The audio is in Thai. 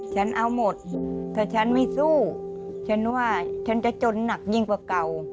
ฉันเอาหมดถ้าฉันไม่สู้ฉันว่าฉันจะจนหนักยิ่งกว่าเก่า